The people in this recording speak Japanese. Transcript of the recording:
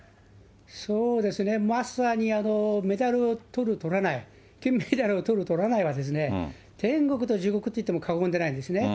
そうですね、まさにメダルをとるとらない、金メダルをとるとらないは、天国と地獄といっても過言じゃないですね。